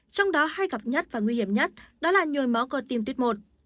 trong đó hai gặp nhất và nguy hiểm nhất đó là nhồi máu cơ tim tuyết một